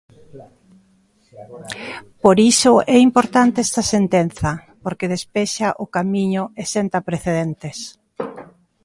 Por iso é importante esta sentenza, porque despexa o camiño e senta precedentes.